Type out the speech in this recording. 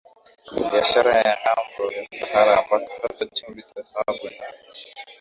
biashara ya ngambo ya Sahara ambako hasa chumvi dhahabu na